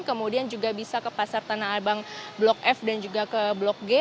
kemudian juga bisa ke pasar tanah abang blok f dan juga ke blok g